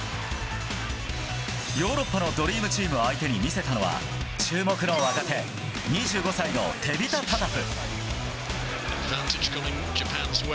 ヨーロッパのドリームチーム相手に見せたのは注目の若手２５歳のテビタ・タタフ。